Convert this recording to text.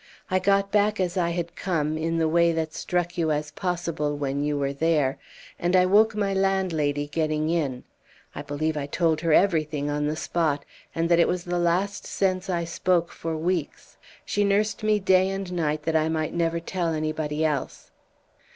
I got back as I had come, in the way that struck you as possible when you were there, and I woke my landlady getting in. I believe I told her everything on the spot, and that it was the last sense I spoke for weeks; she nursed me day and night that I might never tell anybody else."